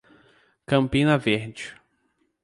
Campina Verde